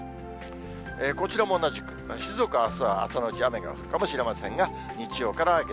こちらも同じく、静岡あすは朝のうち雨が降るかもしれませんが、日曜から月、